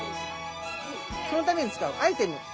そのために使うアイテム。